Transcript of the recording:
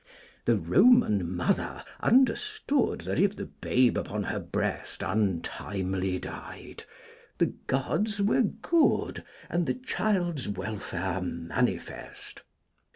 The Roman mother understood That, if the babe upon her breast Untimely died, the gods were good, And the child's welfare manifest.